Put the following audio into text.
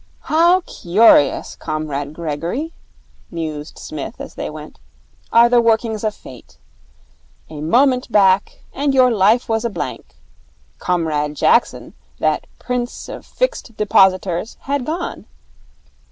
'How curious, Comrade Gregory,' mused Psmith, as they went, 'are the workings of Fate! A moment back, and your life was a blank. Comrade Jackson, that prince of Fixed Depositors, had gone.